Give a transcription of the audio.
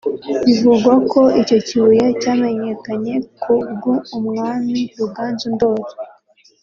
Bivugwa ko icyo kibuye cyamenyekanye ku bw’umwami Ruganzu Ndori